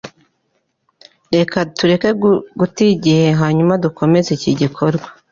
Reka tureke guta igihe hanyuma dukomeze iki gikorwa.